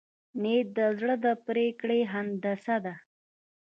نیت د زړه د پرېکړې هندسه ده.